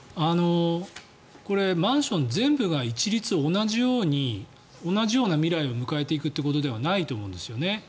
これ、マンション全部が一律同じような未来を迎えていくということではないと思うんですね。